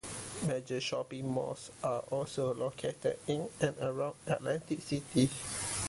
Major shopping malls are also located in and around Atlantic City.